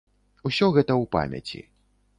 Усё гэта ў памяці.